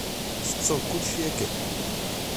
Tettuḍ kullec yakan?